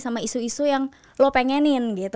sama isu isu yang lo pengenin gitu